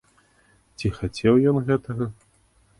Ці хацеў ён гэтага?